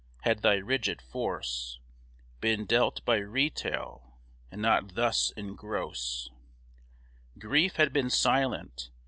Had thy rigid force Been dealt by retail, and not thus in gross, Grief had been silent.